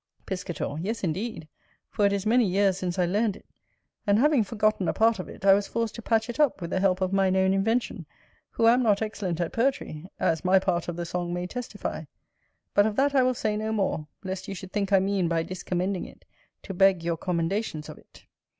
Piscator. Yes indeed, for it is many years since I learned it; and having forgotten a part of it, I was forced to patch it up with the help of mine own invention, who am not excellent at poetry, as my part of the song may testify; but of that I will say no more, lest you should think I mean, by discommending it, to beg your commendations of it.